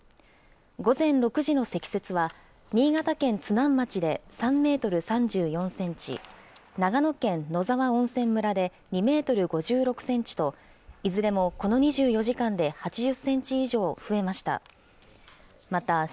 午前６時の積雪は、新潟県津南町で３メートル３４センチ、長野県野沢温泉村で２メートル５６センチと、いずれもこの２４時間で８０センチ以上増えました。